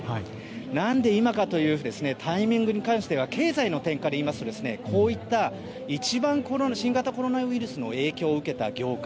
何で今か？というタイミングに関しては経済の点から言いますとこういった一番、新型コロナウイルスの影響を受けた業界